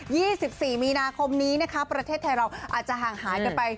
วัน๒๔มีนาคมประเทศไทยเราอาจจะห่างหายไป